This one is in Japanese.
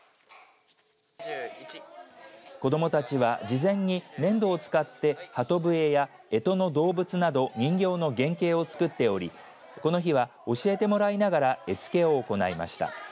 子どもたちは事前に粘土を使って鳩笛やえとの動物など人形の原型を作っておりこの日は教えてもらいながら絵付けを行いました。